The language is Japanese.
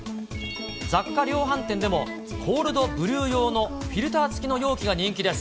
雑貨量販店でも、コールドブリュー用のフィルター付きの容器が人気です。